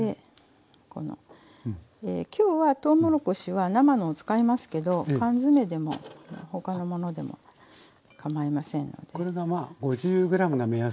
きょうはとうもろこしは生のを使いますけど缶詰でも他のものでもかまいませんので。